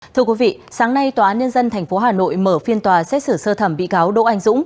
thưa quý vị sáng nay tòa án nhân dân tp hà nội mở phiên tòa xét xử sơ thẩm bị cáo đỗ anh dũng